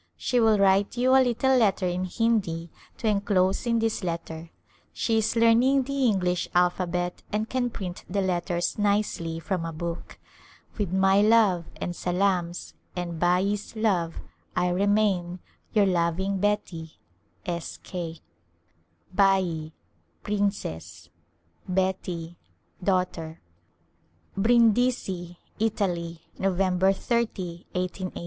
She will write you a little letter in Hindi to enclose in this let ter. She is learning the English alphabet and can print the letters nicely from a book. With my love and salams, and Bai's love. I remain, Your loving Beti, S. K. Bat — princess, Beti — daughter, Brindisi^ Italy ^ Nov. jo, l88g.